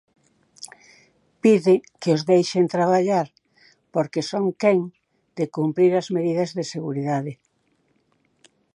Pide que os deixen traballar porque son quen de cumprir as medidas de seguridade.